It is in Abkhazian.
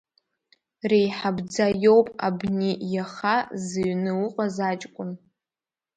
Реиҳабӡа иоуп абни иаха зыҩны уҟаз аҷкәын.